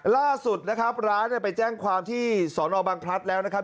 ล่าสุดนะครับร้านเนี่ยไปแจ้งความที่สอนอบังพลัดแล้วนะครับ